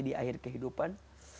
nanti di akhir kehidupan